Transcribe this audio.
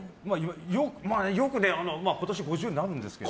今年５０になるんですけど。